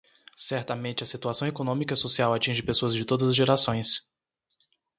Certamente a situação econômica e social atinge pessoas de todas as gerações.